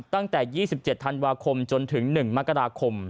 ตั้งแต่๒๗ธันวาคมจนถึง๑มกราคม